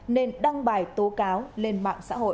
nên đăng bài tố cáo lên mạng xã hội